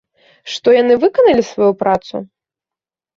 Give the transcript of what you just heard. Што яны выканалі сваю працу?